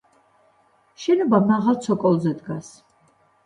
შენობა მაღალ ცოკოლზე დგას.